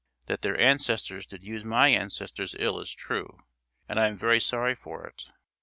That their ancestors did use my ancestors ill is true, and I am very sorry for it.